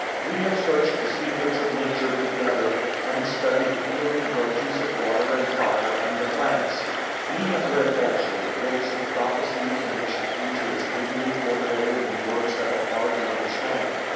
We have searched the secrets of nature together, and studied the healing virtues of water and fire and the plants. We have read also the books of prophecy in which the future is dimly foretold in words that are hard to understand.